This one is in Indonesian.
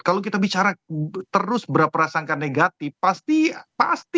kalau kita bicara terus berprasangka negatif pasti pasti